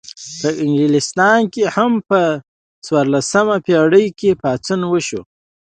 په انګلستان کې هم په څوارلسمه پیړۍ کې پاڅون وشو.